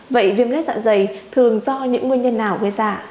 vậy viêm lết dạ dày thường do những nguyên nhân nào gây ra